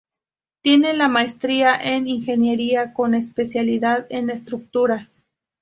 Tiene la maestría en ingeniería con especialidad en Estructuras.